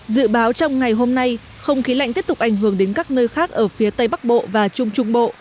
dự báo trong ngày hôm nay không khí lạnh tiếp tục ảnh hưởng đến các nơi khác ở phía tây bắc bộ và trung trung bộ